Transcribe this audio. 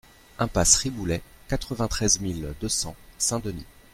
Impasse Riboulet, quatre-vingt-treize mille deux cents Saint-Denis